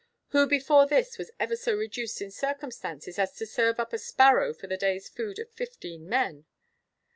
Who before this was ever so reduced in circumstances as to serve up a sparrow for the day's food of fifteen men?"